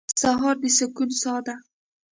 سهار د سکون ساه ده.